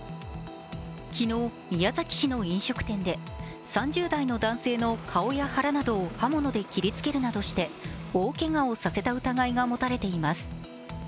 昨日、宮崎市の飲食店で３０代の男性の顔や腹などを刃物で切りつけるなどして、大けがをさせた疑いが持たれています。